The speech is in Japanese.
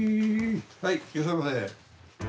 はいいらっしゃいませ。